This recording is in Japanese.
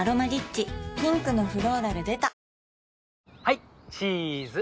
ピンクのフローラル出たはいチーズ。